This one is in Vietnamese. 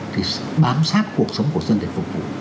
thì bám sát cuộc sống của dân để phục vụ